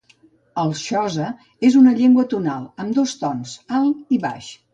El xosa és una llengua tonal, amb dos tons, alt i baix.